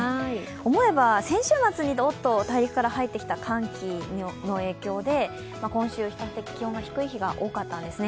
思えば先週末に大陸からドッと入ってきた大樹の影響で今週、比較的、気温が低い日が多かったんですね。